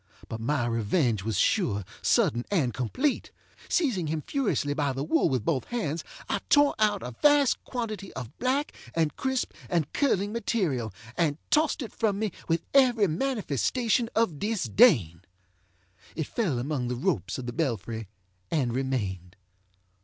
But my revenge was sure, sudden, and complete. Seizing him furiously by the wool with both hands, I tore out a vast quantity of black, and crisp, and curling material, and tossed it from me with every manifestation of disdain. It fell among the ropes of the belfry and remained.